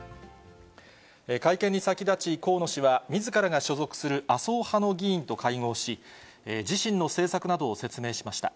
会見に先立ち、河野氏は、みずからが所属する麻生派の議員と会合し、自身の政策などを説明しました。